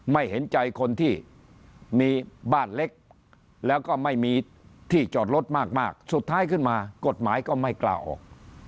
เห็นใจคนที่มีบ้านเล็กแล้วก็ไม่มีที่จอดรถมากสุดท้ายขึ้นมากฎหมายก็ไม่กล้าออก